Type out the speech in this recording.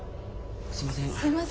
すいません。